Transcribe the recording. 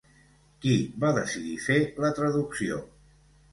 Qui va decidir fer la traducció?